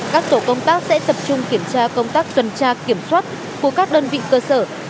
các tổ công tác sẽ tập trung kiểm tra công tác tuần tra kiểm soát của các đơn vị cơ sở